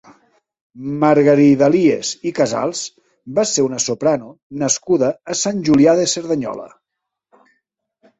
Margaridalias i Casals va ser una soprano nascuda a Sant Julià de Cerdanyola.